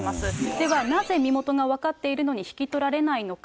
ではなぜ身元が分かっているのに引き取られないのか。